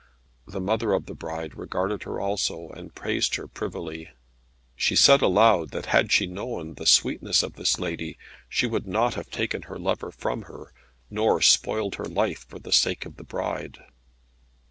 The mother of the bride regarded her also, and praised her privily. She said aloud that had she known the sweetness of this lady, she would not have taken her lover from her, nor spoiled her life for the sake of the bride.